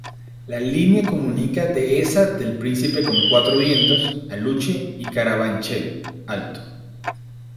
La línea comunica Dehesa del Príncipe con Cuatro Vientos, Aluche y Carabanchel Alto.